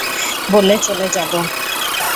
বলে চলে যাব।